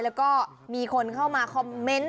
แล้วก็มีคนเข้ามาคอมเมนต์